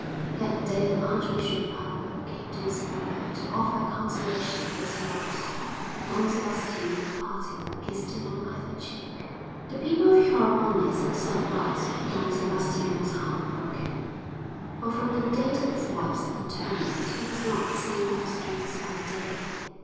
That day the Archbishop Pablo came to his brother to offer consolation for his loss, and Don Sebastian at the parting kissed him on either cheek. V The people of Xiormonez said that Don Sebastian was heart broken, for from the date of his wife's interment he was not seen in the streets by day.